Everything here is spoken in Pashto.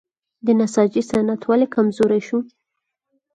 د نساجي صنعت ولې کمزوری شو؟